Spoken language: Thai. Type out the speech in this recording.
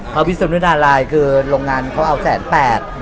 พิสุนุนาลัยคือโรงงานเขาเอาแสนแปด